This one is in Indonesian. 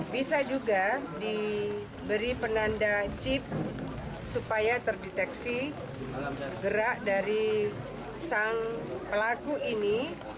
bisa juga diberi penanda chip supaya terdeteksi gerak dari sang pelaku ini